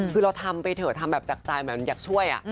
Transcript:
คือเราทำไปเถอะทำแบบจากใจแบบอยากช่วยอ่ะ